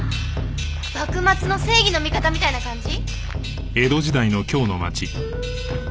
幕末の正義の味方みたいな感じ？